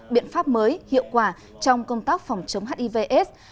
biện pháp mới hiệu quả trong công tác phòng chống hivs